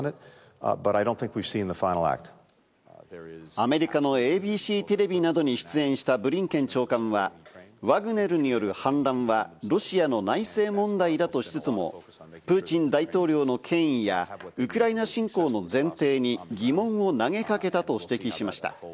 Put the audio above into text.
アメリカのＡＢＣテレビなどに出演したブリンケン長官は、ワグネルによる反乱はロシアの内政問題だとしつつも、プーチン大統領の権威やウクライナ侵攻の前提に疑問を投げかけたと指摘しました。